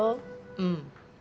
うん。